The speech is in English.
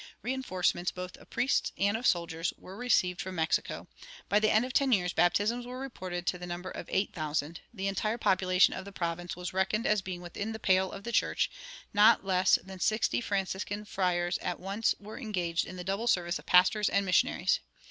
Reinforcements both of priests and of soldiers were received from Mexico; by the end of ten years baptisms were reported to the number of eight thousand; the entire population of the province was reckoned as being within the pale of the church; not less than sixty Franciscan friars at once were engaged in the double service of pastors and missionaries.